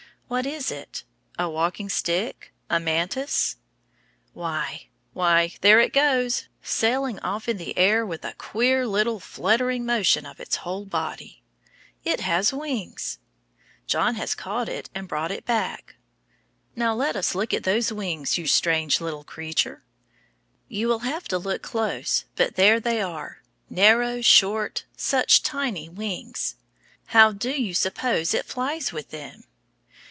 What is it? A walking stick? A mantis? Why! why! There it goes, sailing off in the air with a queer little fluttering motion of its whole body. It has wings! John has caught it and brought it back. Now let us see those wings, you strange little creature. You will have to look close, but there they are, narrow, short, such tiny wings! How do you suppose it flies with them?